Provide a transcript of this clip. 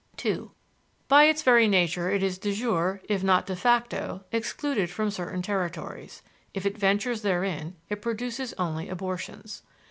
II By its very nature it is de jure, if not de facto, excluded from certain territories if it ventures therein it produces only abortions.